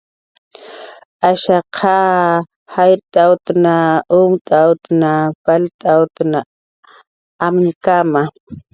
Ashaq jayrt'awtanwa, umt'awtanwa, palt'awtanwa amñkama